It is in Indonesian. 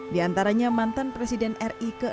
di antaranya mantan presiden ri ke enam